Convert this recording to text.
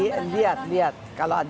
iya lihat lihat kalau dia baik